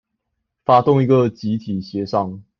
發動一個集體協商